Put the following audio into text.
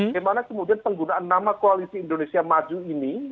bagaimana kemudian penggunaan nama koalisi indonesia maju ini